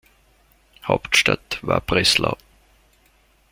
Hauptstadt war Breslau.